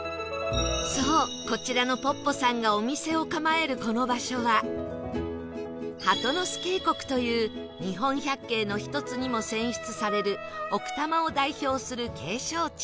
そうこちらのぽっぽさんがお店を構えるこの場所は鳩ノ巣渓谷という日本百景の１つにも選出される奥多摩を代表する景勝地